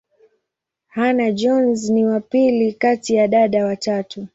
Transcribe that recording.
Hannah-Jones ni wa pili kati ya dada watatu.